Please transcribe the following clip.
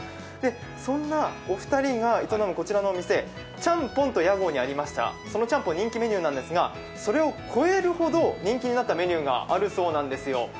そんなお二人が営むこちらのお店チャンポンと屋号にありました、そのチャンポン、人気メニューなんですがそれを超えるほど人気になったメニューがあるそうなんですよ。